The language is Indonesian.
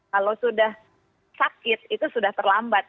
kalau sudah sakit itu sudah terlambat